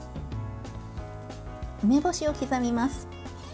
梅干しを刻みます。